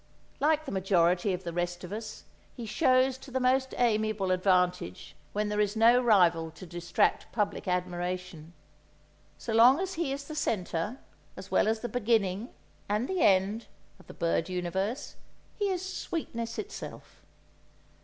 Like the majority of the rest of us, he shows to the most amiable advantage when there is no rival to distract public admiration. So long as he is the centre, as well as the beginning and the end, of the bird universe, he is sweetness itself.